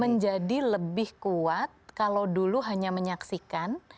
menjadi lebih kuat kalau dulu hanya menyaksikan